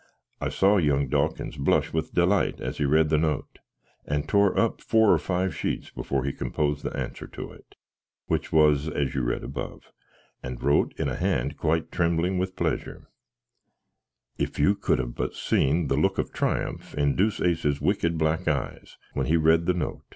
I saw young Dawkins blush with delite as he red the note; he toar up for or five sheets before he composed the anser to it, which was as you red abuff, and roat in a hand quite trembling with pleasyer. If you could but have seen the look of triumph in Deuceace's wicked black eyes, when he read the noat!